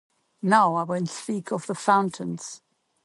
Now I will speak of the fountains.